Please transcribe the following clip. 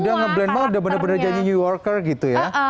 udah nge blend banget udah bener bener janji new yorker gitu ya